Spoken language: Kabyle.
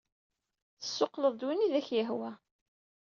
Tessuqquled-d win ay ak-yehwan.